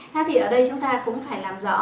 thế thì ở đây chúng ta cũng phải làm rõ